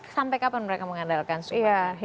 sampai kapan mereka mengandalkan sebuah